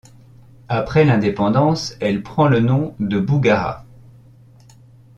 Après l'indépendance, elle prend le nom de Bougara.